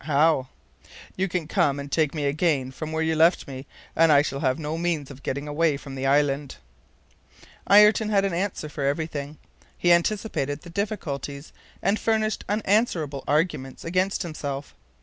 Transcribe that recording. "How?" "You can come and take me again from where you left me, as I shall have no means of getting away from the island." Ayrton had an answer for everything. He anticipated the difficulties and furnished unanswerable arguments against himself.